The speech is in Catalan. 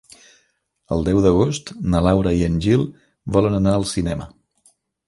El deu d'agost na Laura i en Gil volen anar al cinema.